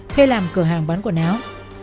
thuê làm cửa hàng bán quần áo